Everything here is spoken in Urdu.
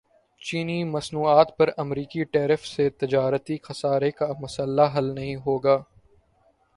چینی مصنوعات پر امریکی ٹیرف سے تجارتی خسارے کا مسئلہ حل نہیں ہوگا